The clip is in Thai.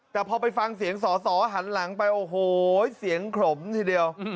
แต่พอไปฟังเสียงสอสอหันหลังไปโอ้โหเสียงขลมทีเดียว